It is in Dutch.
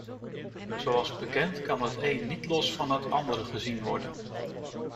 Zoals bekend kan het één niet los van het andere gezien worden.